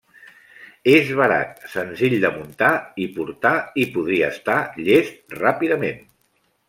És barat, senzill de muntar i portar i podria estar llest ràpidament.